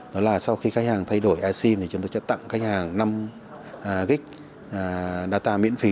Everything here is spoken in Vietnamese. đó là sau khi khách hàng thay đổi e sim thì chúng tôi sẽ tặng khách hàng năm g data miễn phí